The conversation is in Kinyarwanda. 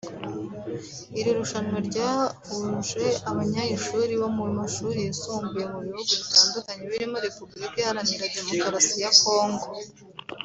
Iri rushanwa ryahuje abanyeshuri bo mu mashuri yisumbuye mu bihugu bitandukanye birimo Repubulika iharanira Demokarasi ya Congo